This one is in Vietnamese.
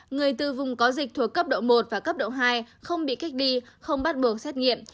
người từ vùng có dịch thuộc cấp độ một và cấp độ hai không bị cách ly không bắt buộc xét nghiệm